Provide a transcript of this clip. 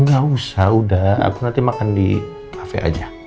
enggak usah udah aku nanti makan di kafe aja